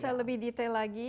bisa lebih detail lagi